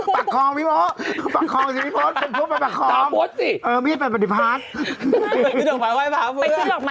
ปากคอมพี่โป๊ะปากคอมพี่โป๊ะเป็นปุ๊บเป็นปากคอม